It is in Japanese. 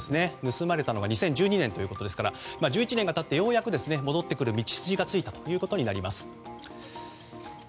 盗まれたのが２０１２年ということですから１１年が経ってようやく戻ってくる道筋がついたということになります。